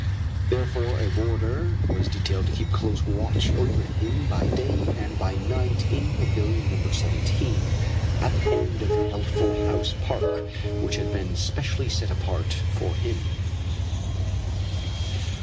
Therefore a warder was detailed to keep close watch over him by day and by night in Pavilion No. 17, at the end of Healthful House Park, which had been specially set apart for him.